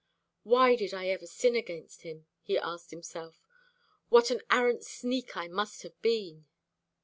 "Why did I ever sin against him?" he asked himself. "What an arrant sneak I must have been!"